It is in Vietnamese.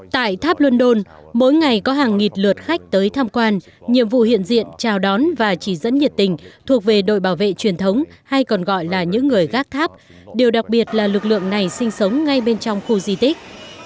tại tháp london mỗi ngày có hàng nghìn lượt khách tới tham quan nhiệm vụ hiện diện chào đón và chỉ dẫn nhiệt tình thuộc về đội bảo vệ truyền thống hay còn gọi là những người gác tháp điều đặc biệt là lực lượng này sinh sống ngay bên trong khu di tích